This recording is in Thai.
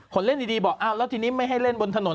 คนเล่นดีบอกอ้าวแล้วทีนี้ไม่ให้เล่นบนถนน